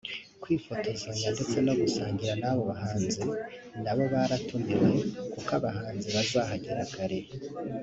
kwifotozanya ndetse no gusangira n’abo bahanzi nabo baratumiwe kuko abahanzi bazahagera kare